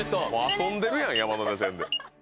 遊んでるやん山手線で。